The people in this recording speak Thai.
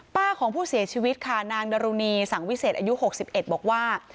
ป้าของผู้เสียชีวิตค่ะนางดรุณีสังวิเศษอายุหกสิบเอ็ดบอกว่า